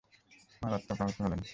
মারাত্মক আহত হলেন।